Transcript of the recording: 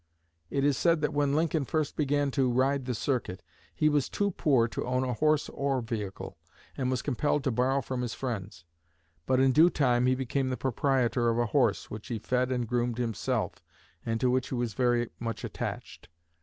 It is said that when Lincoln first began to "ride the circuit" he was too poor to own a horse or vehicle, and was compelled to borrow from his friends. But in due time he became the proprietor of a horse, which he fed and groomed himself, and to which he was very much attached.